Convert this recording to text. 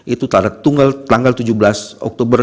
itu tanggal tujuh belas oktober